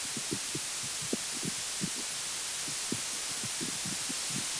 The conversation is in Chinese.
结果他们说不可以